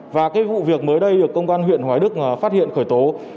và cái vụ việc mới đây được công an huyện hoài đức phát hiện khởi tố